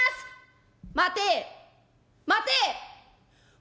「待て待て。